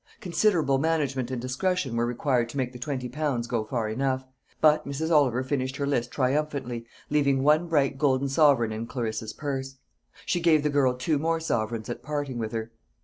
Considerable management and discretion were required to make the twenty pounds go far enough: but Mrs. Oliver finished her list triumphantly, leaving one bright golden sovereign in Clarissa's purse. She gave the girl two more sovereigns at parting with her.